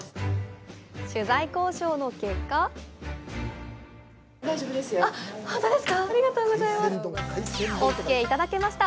取材交渉の結果ＯＫいただけました！